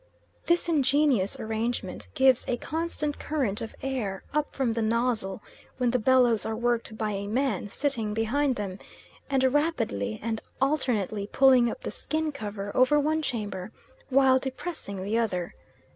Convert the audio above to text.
This ingenious arrangement gives a constant current of air up from the nozzle when the bellows are worked by a man sitting behind them, and rapidly and alternately pulling up the skin cover over one chamber, while depressing the other.